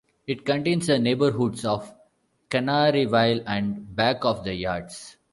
It contains the neighborhoods of Canaryville and Back of the Yards.